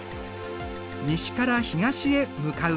西から東へ向かう風だ。